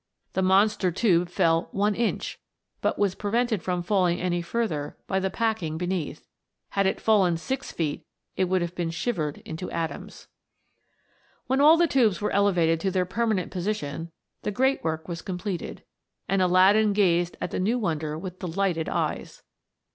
The monster tube fell one inch, but was prevented from falling any further by the packing beneath ; had it fallen six feet it would have been shivered into atoms. When all the tubes were elevated to their perma nent position the great work was completed, and Aladdin gazed at the new wonder with delighted eyes.